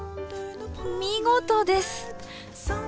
見事です。